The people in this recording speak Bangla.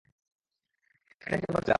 সেটাই টের পাচ্ছিলাম।